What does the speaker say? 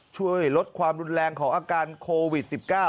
ช่วยลดความรุนแรงของอาการโควิด๑๙